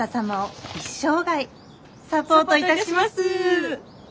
サポートいたします。